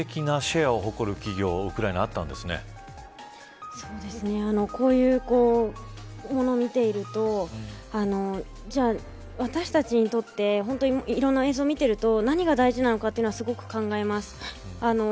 咲楽ちゃん、こういう世界的なシェアを誇る企業がこういうものを見ているとじゃあ、私たちにとっていろんな映像を見てると何が大事なのかすごく考えます。